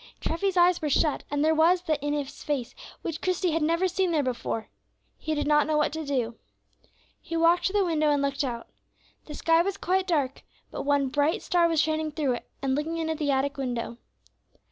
Treffy's eyes were shut, and there was that in his face which Christie had never seen there before. He did not know what to do. He walked to the window and looked out. The sky was quite dark, but one bright star was shining through it and looking in at the attic window.